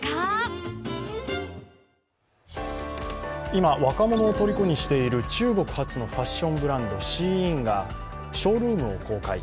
今、若者をとりこにしている中国発のファッションブランド、ＳＨＥＩＮがショールームを公開。